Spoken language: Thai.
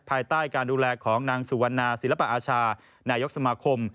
ภายใต้การดูแลของนางสุวรรณาศิลปอาชานายกสมาคม